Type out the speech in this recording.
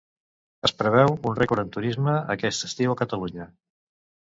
Es preveu un rècord en turisme aquest estiu a Catalunya.